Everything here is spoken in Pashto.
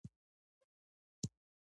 د مدرسې د مينارې سر ته يې وكتل.